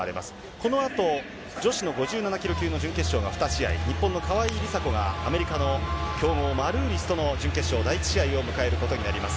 このあと女子の５７キロ級の準決勝が２試合、日本の川井梨紗子が、アメリカの強豪、マルーリスとの準決勝第１試合を迎えることになります。